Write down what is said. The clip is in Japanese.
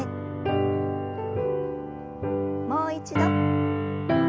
もう一度。